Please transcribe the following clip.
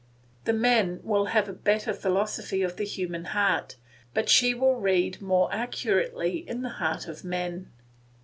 The men will have a better philosophy of the human heart, but she will read more accurately in the heart of men.